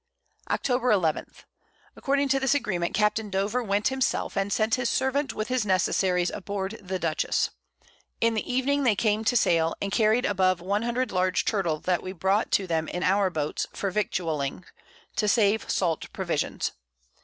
_ Octob. 11. According to this Agreement Capt. Dover went himself, and sent his Servant with his Necessaries aboard the Dutchess. In the Evening they came to sail, and carry'd above 100 large Turtle that we brought to them in our Boats for victualling, to save Salt Provisions.